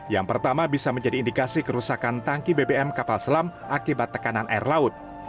yang pertama bisa menjadi indikasi kerusakan tangki bbm kapal selam akibat tekanan air laut